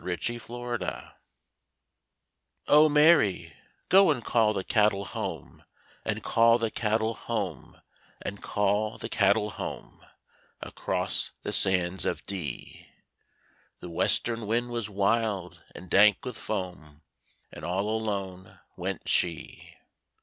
THE SANDS OF DEE 'O Mary, go and call the cattle home, And call the cattle home, And call the cattle home Across the sands of Dee;' The western wind was wild and dank with foam, And all alone went she.